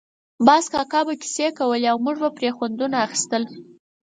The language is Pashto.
باز کاکا به کیسې کولې او موږ به پرې خوندونه اخیستل.